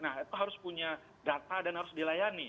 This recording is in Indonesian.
nah itu harus punya data dan harus dilayani